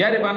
ya di mana